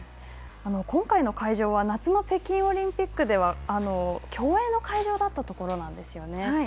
今回の会場は夏の北京オリンピックでは競泳の会場だったところですよね。